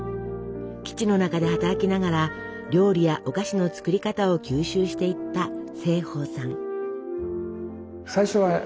基地の中で働きながら料理やお菓子の作り方を吸収していった盛保さん。